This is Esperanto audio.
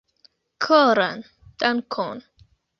Koran dankon